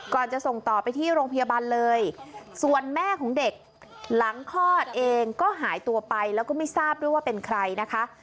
จะส่งต่อไปที่โรงพยาบาลเลยส่วนแม่ของเด็กหลังคลอดเองก็หายตัวไปแล้วก็ไม่ทราบด้วยว่าเป็นใครนะคะ